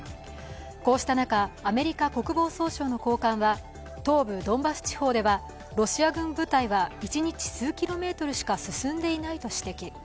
こうした中、アメリカ国防総省の高官は、東部ドンバス地方ではロシア軍部隊は一日数キロメートルしか進んでいないと指摘。